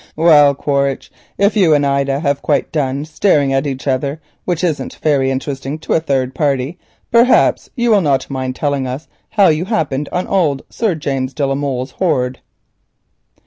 "Well, Quaritch, if you and Ida have quite done staring at each other, which isn't very interesting to a third party, perhaps you will not mind telling us how you happened on old Sir James de la Molle's hoard."